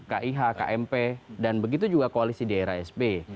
kih kmp dan begitu juga koalisi di era sb